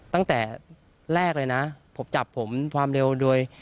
ตั้งแต่แรกเลยนะผมจับผมความเร็วโดย